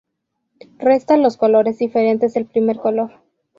Resta los colores diferentes del primer color.